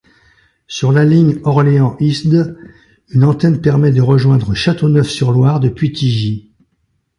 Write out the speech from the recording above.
Sur la ligne Orléans-Isdes, une antenne de permet de rejoindre Châteauneuf-sur-Loire depuis Tigy.